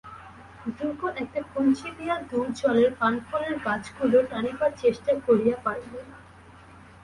দুর্গ একটা কঞ্চি দিয়া দূর জলের পানফলের গাছগুলো টানিবার চেষ্টা করিয়া পারিল না।